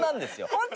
ホント？